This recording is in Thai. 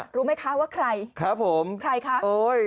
รู้ไหมคะว่าใครครับผมใครคะโอ้ย